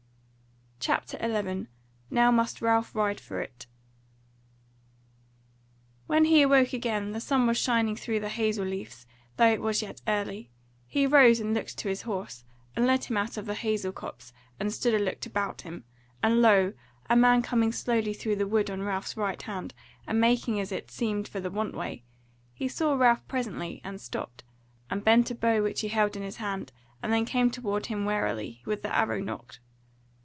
CHAPTER 11 Now Must Ralph Ride For It When he awoke again the sun was shining through the hazel leaves, though it was yet early; he arose and looked to his horse, and led him out of the hazel copse and stood and looked about him; and lo! a man coming slowly through the wood on Ralph's right hand, and making as it seemed for the want way; he saw Ralph presently, and stopped, and bent a bow which he held in his hand, and then came towards him warily, with the arrow nocked.